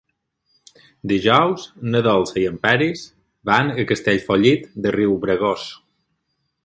Dijous na Dolça i en Peris van a Castellfollit de Riubregós.